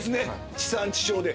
地産地消で。